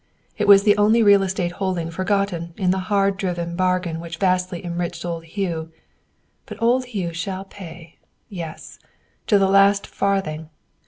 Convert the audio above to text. It was the only real estate holding forgotten in the hard driven bargain which vastly enriched old Hugh. But old Hugh shall pay; yes, to the last farthing.